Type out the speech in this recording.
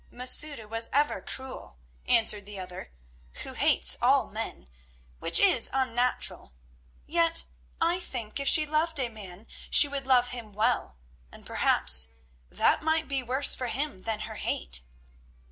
"Masouda was ever cruel," answered the other, "who hates all men, which is unnatural. Yet I think if she loved a man she would love him well, and perhaps that might be worse for him than her hate."